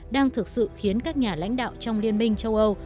đang thực sự khiến các nhà lãnh đạo trong liên minh châu âu